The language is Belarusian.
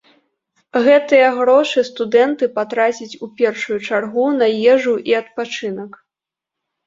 Гэтыя грошы студэнты патрацяць у першую чаргу на ежу і адпачынак.